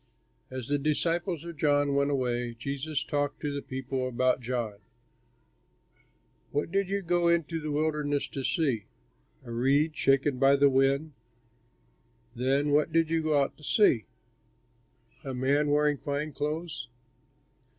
As the disciples of John went away, Jesus talked to the people about John: "What did you go into the wilderness to see? A reed shaken by the wind? Then what did you go out to see? A man wearing fine clothes?